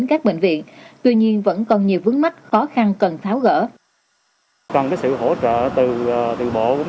các doanh nghiệp trong nước đã thành lập những hội nhóm chung